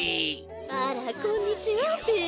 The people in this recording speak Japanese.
あらこんにちはべ。